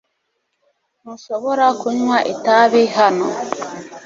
Ntushobora kunywa itabi hano .